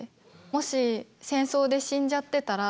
もし戦争で死んじゃってたら